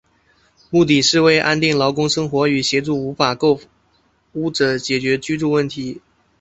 目的是为安定劳工生活与协助无法购屋者解决居住问题。